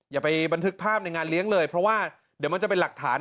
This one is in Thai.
อย่าไปบันทึกภาพในงานเลี้ยงเลยเพราะว่าเดี๋ยวมันจะเป็นหลักฐาน